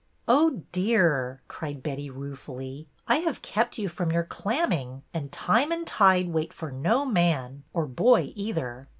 Oh, dear," cried Betty, ruefully, I have kept you from your clamming, and time and tide wait for no man, or boy either.